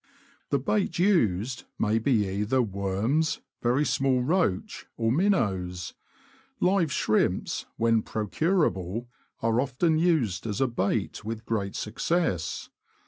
The bait used may be either worms, very small roach, or minnows. Live shrimps, when procurable are often used as a bait with great success.